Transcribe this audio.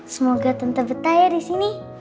semoga tante betah ya disini